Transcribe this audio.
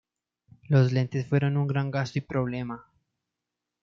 Las lentes fueron un gran gasto y problema.